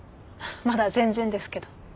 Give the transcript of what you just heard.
まだ全然ですけど。